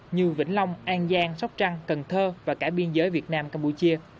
như vĩnh long an giang sóc trăng cần thơ và cả biên giới việt nam campuchia